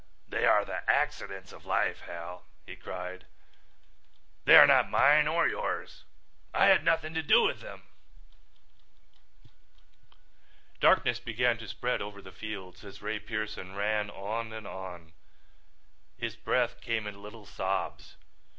"They are the accidents of life, Hal," he cried. "They are not mine or yours. I had nothing to do with them." Darkness began to spread over the fields as Ray Pearson ran on and on. His breath came in little sobs.